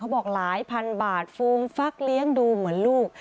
บอกหลายพันบาทฟูมฟักเลี้ยงดูเหมือนลูก